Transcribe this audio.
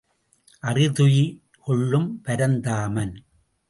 அறிதுயி கொள்ளும் பரந்தாமன்.